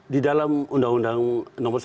di dalam undang undang nomor satu